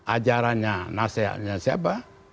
ajarannya nasihatnya siapa